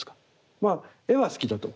まあ絵は好きだと。